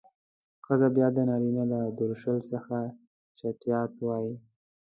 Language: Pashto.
ښځه بيا د نارينه له درشل څخه چټيات وايي.